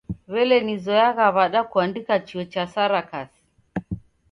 W'elee nizoyagha w'ada kuandika chuo cha sarakasi?